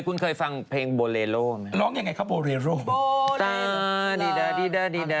คุณเคยฟังเพลงโบเรโระไหม